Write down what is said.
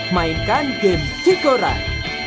mainkan game kikoran